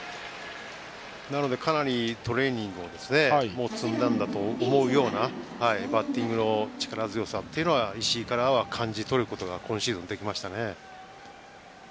かなりトレーニングを積んだんだと思うようなバッティングの力強さは石井からは感じ取ることが今シーズンはできましたね。